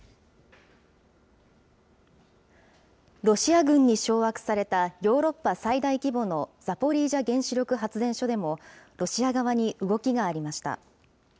ロシア軍に掌握された、ヨーロッパ最大規模のザポリージャ原子力発電所でも、ロシア側に動きがありました。